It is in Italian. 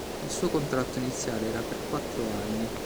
Il suo contratto iniziale era per quattro anni.